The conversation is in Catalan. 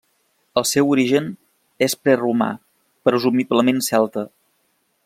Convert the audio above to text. El seu origen és preromà, presumiblement celta.